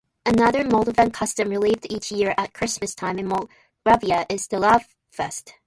Another Moravian custom relived each year at Christmas time in Moravia is the Lovefest.